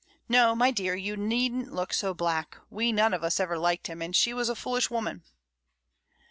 No, my dear, you needn't look so black. We none of us ever liked him, and she was a foolish woman."